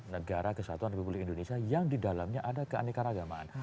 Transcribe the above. negara kesatuan republik indonesia yang didalamnya ada keanekaragaman